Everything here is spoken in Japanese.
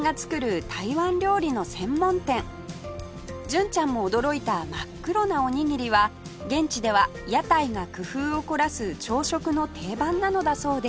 純ちゃんも驚いた真っ黒なおにぎりは現地では屋台が工夫を凝らす朝食の定番なのだそうです